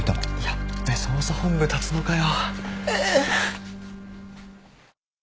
ヤッベ捜査本部立つのかよ。